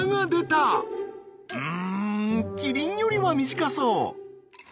うんキリンよりは短そう。